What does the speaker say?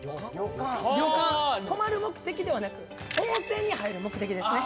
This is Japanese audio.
泊まる目的ではなく温泉に入る目的ですね。